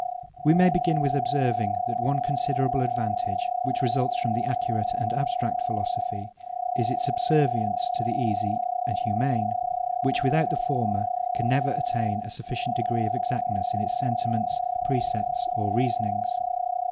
We may begin with observing, that one considerable advantage, which results from the accurate and abstract philosophy, is, its subserviency to the easy and humane; which, without the former, can never attain a sufficient degree of exactness in its sentiments, precepts, or reasonings.